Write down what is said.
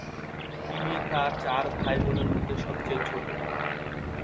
তিনি তার চার ভাই বোনের মধ্যে সবচেয়ে ছোট।